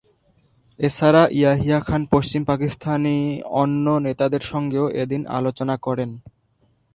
এছাড়া ইয়াহিয়া খান পশ্চিম পাকিস্তানি অন্য নেতাদের সঙ্গেও এদিন আলোচনা করেন।